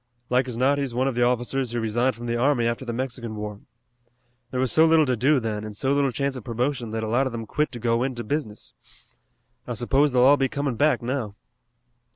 "Like as not he's one of the officers who resigned from the army after the Mexican War. There was so little to do then, and so little chance of promotion, that a lot of them quit to go into business. I suppose they'll all be coming back now."